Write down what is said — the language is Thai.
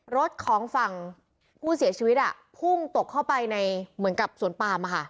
รถของฝั่งผู้เสียชีวิตพุ่งตกเข้าไปในเหมือนกับสวนปาม